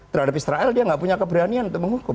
terhadap israel dia nggak punya keberanian untuk menghukum